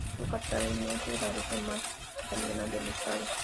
El Sur catarinense es la región más italiana del Estado.